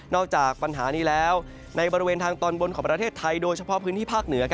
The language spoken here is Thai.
จากปัญหานี้แล้วในบริเวณทางตอนบนของประเทศไทยโดยเฉพาะพื้นที่ภาคเหนือ